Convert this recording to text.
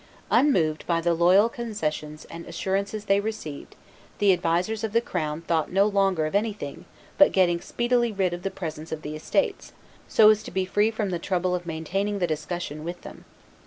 Unmoved by the loyal concessions and assurances they received, the advisers of the crown thought no longer of anything but getting speedily rid of the presence of the estates, so as to be free from the trouble of maintaining the discussion with them.